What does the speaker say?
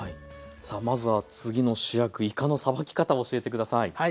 さあまずは次の主役いかのさばき方を教えて下さい。